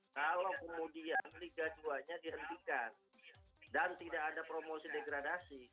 kalau kemudian liga dua nya dihentikan dan tidak ada promosi degradasi